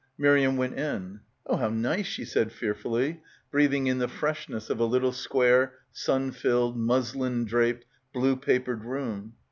Miriam went in. "Oh how nice/' she said fear fully, breathing in the freshness of a little square sun filled muslin draped blue papered room.